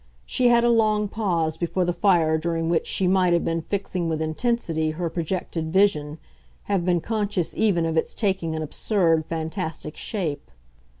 She had a long pause before the fire during which she might have been fixing with intensity her projected vision, have been conscious even of its taking an absurd, fantastic shape.